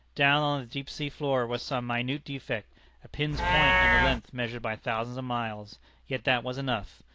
Down on the deep sea floor was some minute defect, a pin's point in a length measured by thousands of miles. Yet that was enough.